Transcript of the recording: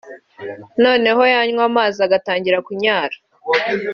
noneho yanywa amazi agatangira kunyara